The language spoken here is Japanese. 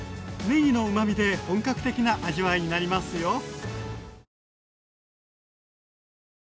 ねぎのうまみで本格的な味わいになりますよ。